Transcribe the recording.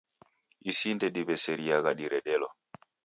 Isi ndediw'eseriagha diredelo